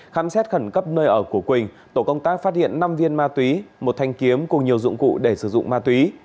khám xét khẩn cấp nơi ở của quỳnh tổ công tác phát hiện năm viên ma túy một thanh kiếm cùng nhiều dụng cụ để sử dụng ma túy